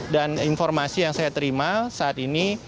dan informasi yang saya terima saat ini